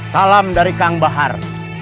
salam dari kang bahar